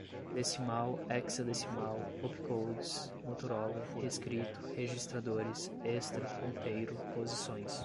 decimal, hexadecimal, opcodes, motorola, reescrito, registradores, extra, ponteiro, posições